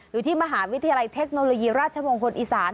อยู่ที่มหาวิทยาลัยเทคโนโลยีราชมงคลอีสาน